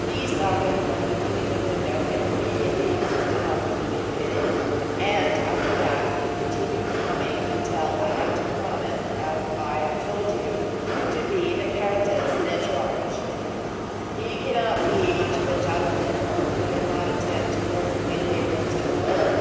He saw me one evening in the window, and immediately insisted on being admitted; and after that, he continued coming until I had to promise, as I have told you, to be Countess L'Estrange." "He cannot be much of a gentleman, or he would not attempt to force a lady against her will.